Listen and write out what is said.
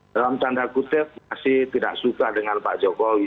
dalam tanda kutip masih tidak suka dengan pak jokowi